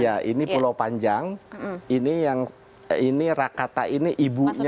iya ini pulau panjang ini rakata ini ibunya